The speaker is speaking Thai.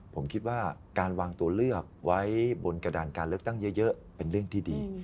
ผมคิดว่าการวางตัวเลือกไว้บนกระดานการเลือกตั้งเยอะเป็นเรื่องที่ดี